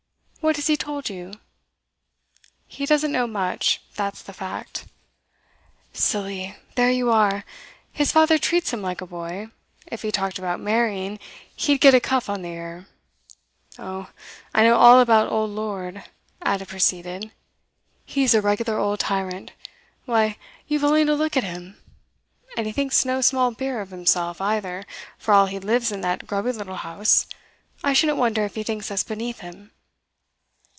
'What has he told you?' 'He doesn't know much, that's the fact.' 'Silly! There you are. His father treats him like a boy; if he talked about marrying, he'd get a cuff on the ear. Oh, I know all about old Lord,' Ada proceeded. 'He's a regular old tyrant. Why, you've only to look at him. And he thinks no small beer of himself, either, for all he lives in that grubby little house; I shouldn't wonder if he thinks us beneath him.